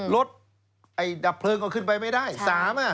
รถไอ้ดับเพลิงก็ขึ้นไปไม่ได้สามอ่ะ